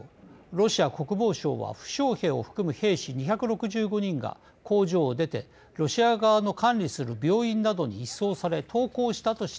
ロシア国防省は負傷兵を含む兵士２６５人が工場を出てロシア側の管理する病院などに移送され投降したとしています。